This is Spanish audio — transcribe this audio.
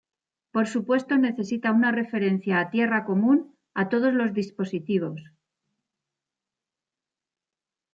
Por supuesto, necesita una referencia a tierra común a todos los dispositivos.